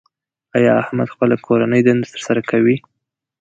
ایا احمد خپله کورنۍ دنده تر سره کوي؟